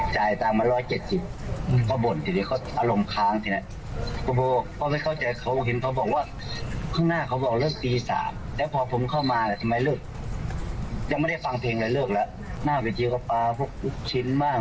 ชาวบ้านบางคนก็เข้าใจว่าไม่ใช่ความผิดของวงหมอลำ